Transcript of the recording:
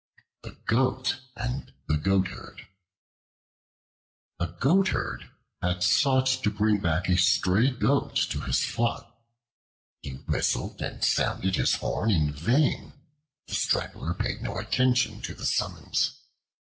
The Goat and the Goatherd A GOATHERD had sought to bring back a stray goat to his flock. He whistled and sounded his horn in vain; the straggler paid no attention to the summons.